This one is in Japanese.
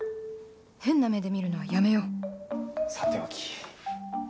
変な目で見るのはやめようさておき。